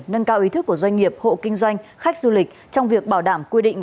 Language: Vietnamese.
nâng cao ý thức của doanh nghiệp hộ kinh doanh khách du lịch trong việc bảo đảm quy định